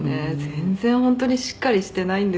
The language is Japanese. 「全然本当にしっかりしていないんですよ」